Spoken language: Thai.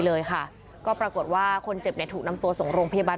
เลยค่ะก็ปรากฏว่าคนเจ็บเนี่ยถูกนำตัวส่งโรงพยาบาล